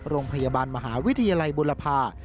โรงพยาบาลมหาวิทยาลัยบุรพา